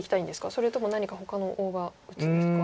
それとも何かほかの大場打つんですか？